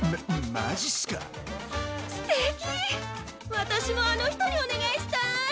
私もあの人にお願いしたい！